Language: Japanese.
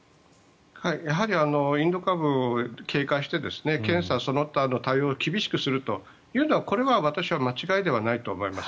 やはりインド株を警戒して検査その他の対応を厳しくするというのはこれは私は間違いではないと思います。